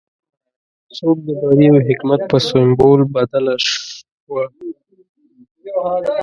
څوکه د بري او حکمت په سمبول بدله شوه.